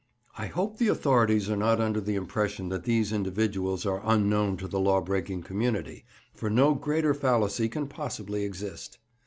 I hope the authorities are not under the impression that these individuals are unknown to the law breaking community, for no greater fallacy can possibly exist.